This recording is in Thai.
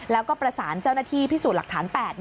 แล้วก็ประสานเจ้าหน้าที่พิสูจน์หลักฐาน๘